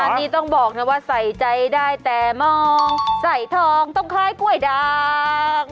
อันนี้ต้องบอกนะว่าใส่ใจได้แต่มองใส่ทองต้องคล้ายกล้วยด่าง